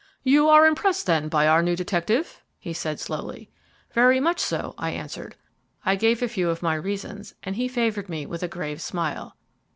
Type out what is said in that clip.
"You are impressed, then, by our new detective?" he said slowly. "Very much so," I answered. I gave a few of my reasons, and he favoured me with a grave smile.